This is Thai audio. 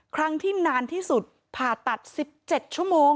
ครั้งที่นานที่สุดผ่าตัด๑๗ชั่วโมง